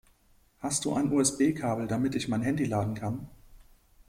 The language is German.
Hast du ein usb-Kabel, damit ich mein Handy laden kann?